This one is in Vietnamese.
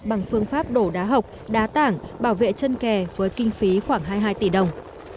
bằng phương pháp đổ đá hộc đá tảng bảo vệ chân kè với kinh phí khoảng hai mươi hai tỷ đồng